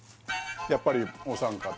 やっぱりお三方